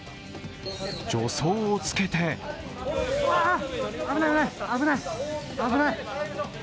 助走をつけて危ない、危ない！